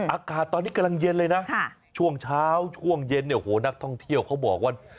อากาศตอนนี้กำลังเย็นเลยนะช่วงเช้าช่วงเย็นเนี่ยโหนักท่องเที่ยวเขาบอกว่า